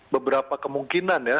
beberapa kemungkinan ya